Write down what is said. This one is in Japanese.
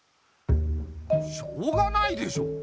しょうがないでしょ。